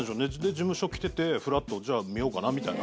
事務所来ててふらっとじゃあ見ようかなみたいな。